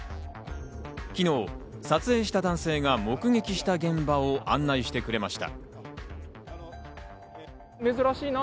昨日、撮影した男性が目撃した現場を案内してくれました。